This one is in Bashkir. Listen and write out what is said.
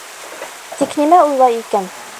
Тик нимә уйлай икән?